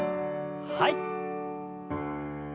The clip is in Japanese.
はい。